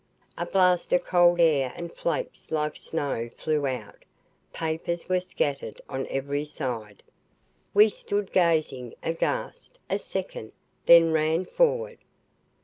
A blast of cold air and flakes like snow flew out. Papers were scattered on every side. We stood gazing, aghast, a second, then ran forward.